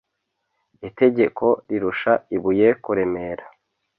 Itegeko rirusha ibuye kuremera.